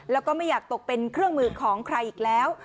แล้วก็ไม่อยากตกเป็นเครื่องมือของใครอีกแล้ว